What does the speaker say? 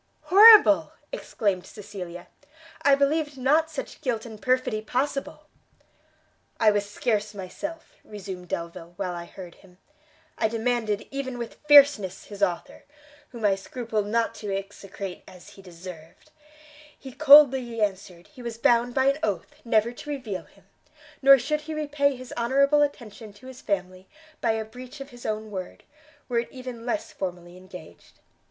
"Horrible!" exclaimed Cecilia, "I believed not such guilt and perfidy possible!" "I was scarce myself," resumed Delvile, "while I heard him: I demanded even with fierceness his author, whom I scrupled not to execrate as he deserved; he coldly answered he was bound by an oath never to reveal him, nor should he repay his honourable attention to his family by a breach of his own word, were it even less formally engaged.